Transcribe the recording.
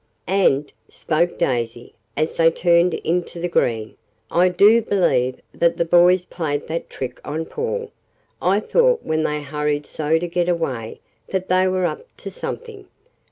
"And," spoke Daisy, as they turned into the green, "I do believe that the boys played that trick on Paul. I thought when they hurried so to get away that they were up to something."